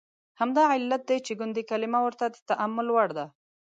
همدا علت دی چې د ګوندي کلمه ورته د تامل وړ ده.